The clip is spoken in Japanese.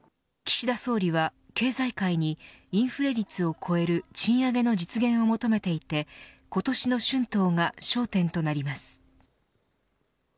物価高に賃金の伸びが追いついていない状況で岸田総理は経済界にインフレ率を超える賃上げの実現を求めていて今年の春闘が焦点となります。